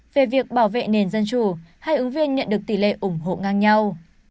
về việc bảo vệ nền dân chủ hai ứng viên nhận được tỷ lệ ủng hộ ngang nhau